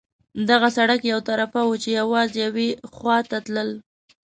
دغه سړک یو طرفه وو، چې یوازې یوې خوا ته تلل.